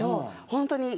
ホントに。